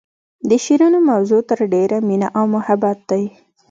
د شعرونو موضوع تر ډیره مینه او محبت دی